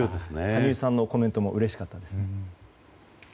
羽生さんのコメントもうれしかったです。